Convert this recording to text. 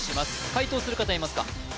解答する方いますか？